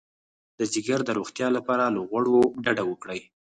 د ځیګر د روغتیا لپاره له غوړو ډډه وکړئ